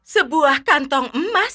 sebuah kantong emas